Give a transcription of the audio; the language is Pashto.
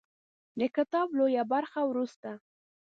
د کتاب لویه برخه وروسته